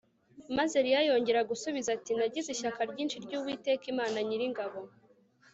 Maze Eliya yongera gusubiza ati Nagize ishyaka ryinshi ryUwiteka Imana Nyiringabo